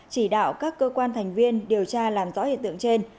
chỉ đạo các cơ quan thành viên điều tra làm rõ hiện tượng trên